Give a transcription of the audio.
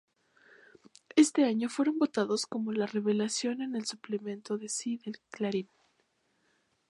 Ese año fueron votados como la Revelación en el Suplemento Sí de Clarín.